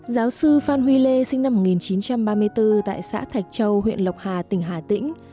giáo sư phan huy lê sinh năm một nghìn chín trăm ba mươi bốn tại xã thạch châu huyện lộc hà tỉnh hà tĩnh